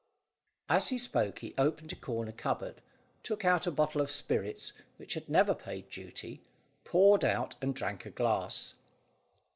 As he spoke he opened a corner cupboard, took out a bottle of spirits which had never paid duty, poured out and drank a glass.